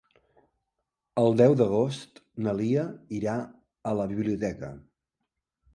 El deu d'agost na Lia irà a la biblioteca.